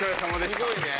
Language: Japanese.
すごいね。